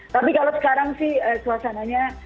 tapi kalau sekarang sih suasananya